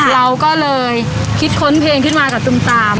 เราก็เลยคิดค้นเพลงขึ้นมากับตุมตาม